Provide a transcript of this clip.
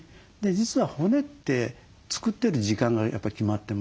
実は骨って作ってる時間がやっぱり決まってまして。